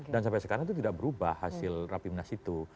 sampai sekarang itu tidak berubah hasil rapimnas itu